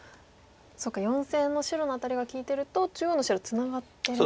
そっか４線の白のアタリが利いてると中央の白ツナがってるんですか。